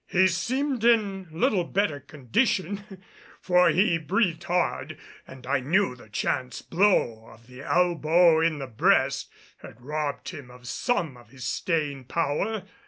He seemed in little better condition, for he breathed hard, and I knew the chance blow of the elbow in the breast had robbed him of some of his staying power.